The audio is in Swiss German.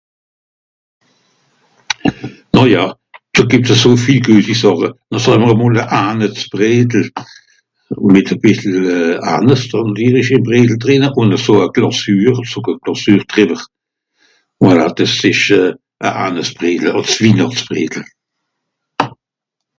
nàja so geb's à so viel gueti sàche no sàam'r à mòl an annìsbredel mìt à bìssel aanìs ... ìm bredel drìnne ùn à so glàssure so zucker glassure drever voila des'esch à annìsbredel àls winàchtsbredel